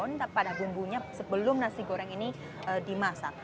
jadi ada sabun pada bumbunya sebelum nasi goreng ini dimasak